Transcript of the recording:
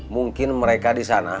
mungkin mereka di sana